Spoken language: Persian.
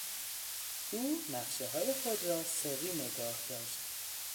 او نقشههای خود را سری نگاهداشت.